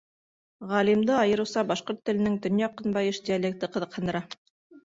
Ғалимды айырыуса башҡорт теленең төньяҡ-көнбайыш диалекты ҡыҙыҡһындара.